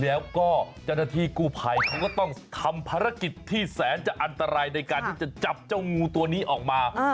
แล้วก็เจ้าหน้าที่กู้ภัยเขาก็ต้องทำภารกิจที่แสนจะอันตรายในการที่จะจับเจ้างูตัวนี้ออกมา